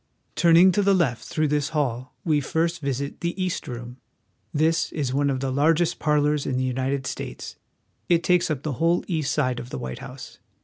Turning to the left through this hall, we first visit the East Room. This is one of the largest parlors in the United States. It takes up the whole east side of the White House.